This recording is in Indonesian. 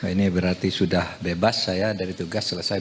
ini berarti sudah bebas saya dari tugas selesai